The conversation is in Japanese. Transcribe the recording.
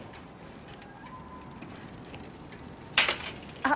あっ！